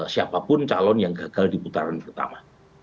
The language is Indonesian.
siapapun calon yang gagal di putaran pertama